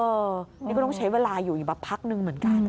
เออนี่ก็ต้องใช้เวลาอยู่อีกแป๊บพักหนึ่งเหมือนกัน